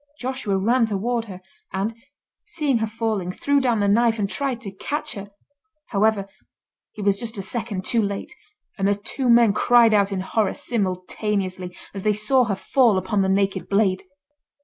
Joshua ran toward her, and, seeing her falling, threw down the knife and tried to catch her. However, he was just a second too late, and the two men cried out in horror simultaneously as they saw her fall upon the naked blade.